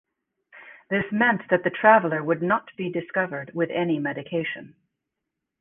This meant that the traveller would not be discovered with any medication.